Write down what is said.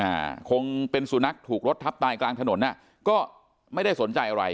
อ่าคงเป็นสุนัขถูกรถทับตายกลางถนนอ่ะก็ไม่ได้สนใจอะไร